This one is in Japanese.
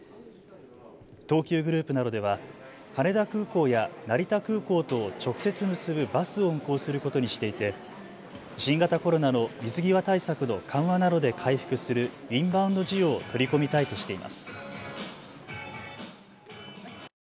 東急グループなどでは羽田空港や成田空港とを直接結ぶバスを運行することにしていて新型コロナの水際対策の緩和などで回復するインバウンド需要を取り込みたいとしています。